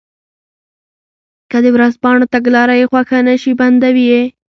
که د ورځپاڼو تګلاره یې خوښه نه شي بندوي یې.